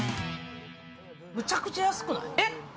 めちゃくちゃ安くない？